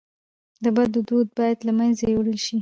د بد دود باید له منځه یووړل سي.